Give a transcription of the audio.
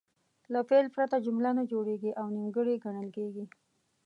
له فعل پرته جمله نه جوړیږي او نیمګړې ګڼل کیږي.